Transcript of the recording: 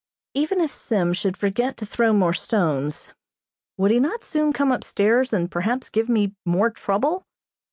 Even if Sim should forget to throw more stones, would he not soon come upstairs and perhaps give me more trouble?